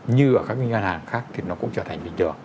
như ở các ngân hàng khác thì nó cũng trở thành bình thường